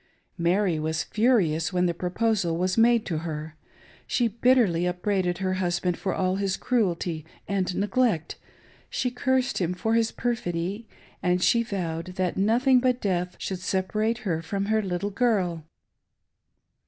Mary was furious when the proposal was made to her. She bitterly upbraided her husband for all his cruelty and neglect, she cursed him for his perfidy, and she vowed that nothing but death should separate her from her little girl.